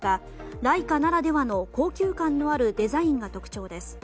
ライカならではの高級感のあるデザインが特徴です。